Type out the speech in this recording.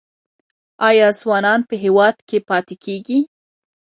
آیا ځوانان په هیواد کې پاتې کیږي؟